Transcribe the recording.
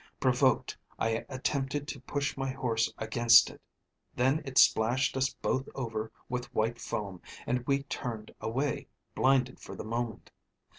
Provoked, I attempted to push my horse against it; then it splashed us both over with white foam, and we turned away, blinded for the moment.